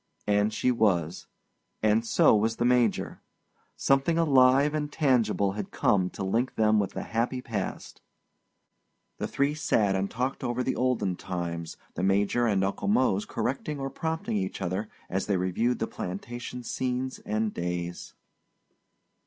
And she was. And so was the Major. Something alive and tangible had come to link them with the happy past. The three sat and talked over the olden times, the Major and Uncle Mose correcting or prompting each other as they reviewed the plantation scenes and days.